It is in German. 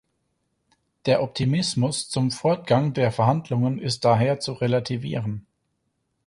Der Optimismus zum Fortgang der Verhandlungen ist daher zu relativieren.